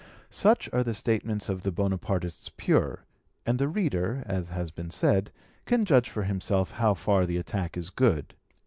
Such are the statements of the Bonaparists pure; and the reader, as has been said, can judge for himself how far the attack is good.